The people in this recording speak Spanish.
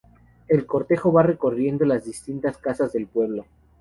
El cortejo va recorriendo las distintas casas del pueblo.